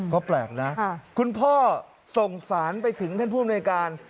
ก็แปลกนะคุณพ่อส่งสารไปถึงท่านผู้อำนวยการ